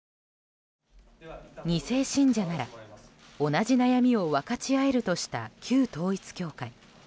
２世信者なら同じ悩みを分かち合えるとした旧統一教会。